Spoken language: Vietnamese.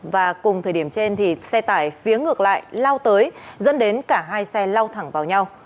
và cùng thời điểm trên thì xe tải phía ngược lại lao tới dẫn đến cả hai xe lao thẳng vào nhau